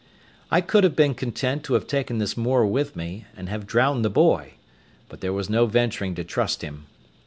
I could have been content to have taken this Moor with me, and have drowned the boy, but there was no venturing to trust him.